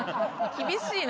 厳しいな。